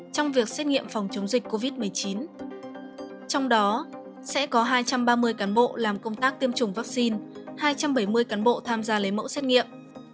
trong việc xét nghiệm phòng chống dịch covid một mươi chín trong đó sẽ có hai trăm ba mươi cán bộ làm công tác tiêm chủng vaccine hai trăm bảy mươi cán bộ tham gia lấy mẫu xét nghiệm